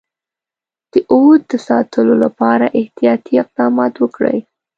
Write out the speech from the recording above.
د اَوَد د ساتلو لپاره احتیاطي اقدامات وکړي.